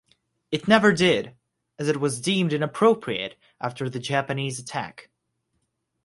It never did, as it was deemed inappropriate after the Japanese attack.